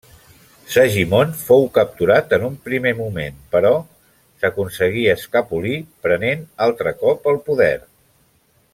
Segimon fou capturat en un primer moment però s'aconseguí escapolir, prenent altre cop el poder.